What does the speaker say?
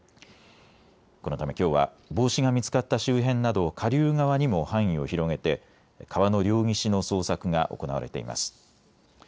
このためきょうは帽子が見つかった周辺など下流側にも範囲を広げて川の両岸の捜索が行われています。